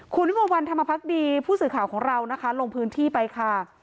คุณวิมวลวันธรรมพักดีผู้สื่อข่าวของเรานะคะลงพื้นที่ไปค่ะ